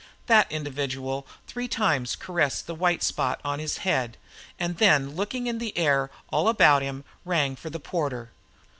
That individual three times caressed the white spot on his head, and then looking in the air all about him, rang for the porter.